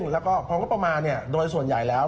พอมีงบประมาณโดยส่วนใหญ่แล้ว